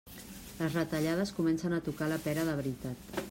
Les retallades comencen a tocar la pera de veritat.